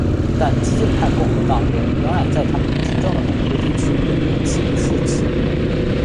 但激进派共和党人仍然在他们执政的每一个地区援用此一誓词。